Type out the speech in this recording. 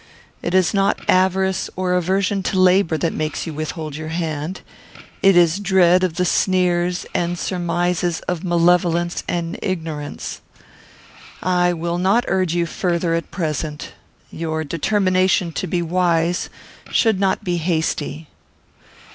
It is not avarice or aversion to labour that makes you withhold your hand. It is dread of the sneers and surmises of malevolence and ignorance. "I will not urge you further at present. Your determination to be wise should not be hasty.